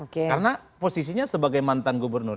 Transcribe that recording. karena posisinya sebagai mantan gubernur